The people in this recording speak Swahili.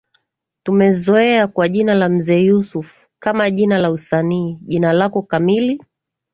tumezoea kwa jina la Mzee Yusuf kama jina la usanii jina lako kamili